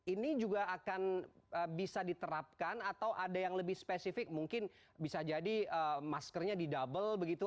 ini juga akan bisa diterapkan atau ada yang lebih spesifik mungkin bisa jadi maskernya di double begitu